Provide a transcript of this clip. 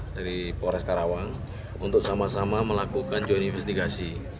dari polres karawang untuk sama sama melakukan join investigasi